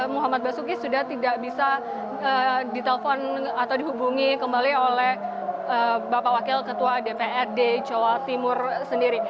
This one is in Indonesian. muhammad basuki sudah tidak bisa ditelepon atau dihubungi kembali oleh bapak wakil ketua dprd jawa timur sendiri